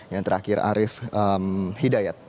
yang terakhir arief hidayat